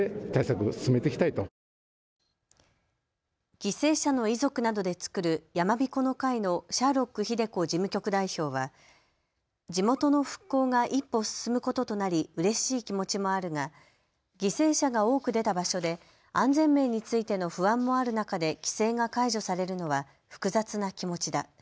犠牲者の遺族などで作る山びこの会のシャーロック英子事務局代表は地元の復興が一歩進むこととなりうれしい気持ちもあるが犠牲者が多く出た場所で安全面についての不安もある中で規制が解除されるのは複雑な気持ちだ。